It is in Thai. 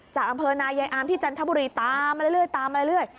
จากอำเภอนายายอามที่จันทบุรีตามมาเรื่อย